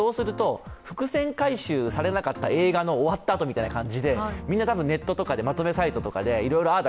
伏線回収されなかった映画の終わったあとみたいな感じでみんな多分、ネットかまとめサイトでいろいろああだ